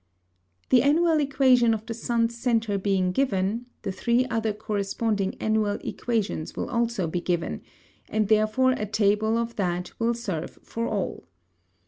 The Annual Equation of the Sun's Centre being given, the three other corresponding Annual Equations will be also given; and therefore a Table of that will serve for all.